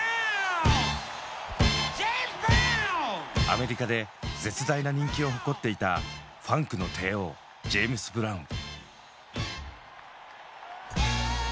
アメリカで絶大な人気を誇っていたファンクの帝王ジェームス・ブラウン。